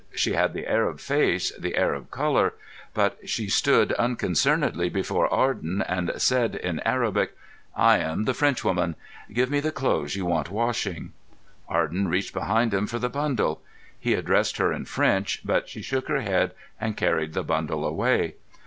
She had the Arab face, the Arab colour. But she stood unconcernedly before Arden, and said in Arabic: "I am the Frenchwoman. Give me the clothes you want washing." Arden reached behind him for the bundle. He addressed her in French, but she shook her head and carried the bundle away.